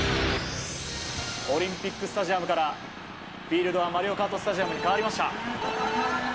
オリンピックスタジアムからフィールドはマリオカートスタジアムに変わりました！